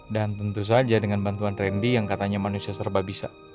dan tentu saja dengan bantuan randy yang katanya manusia serba bisa